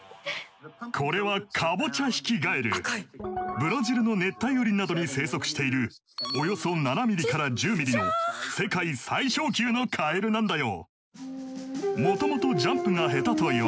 ブラジルの熱帯雨林などに生息しているおよそ７ミリから１０ミリの世界最小級のカエルなんだよ。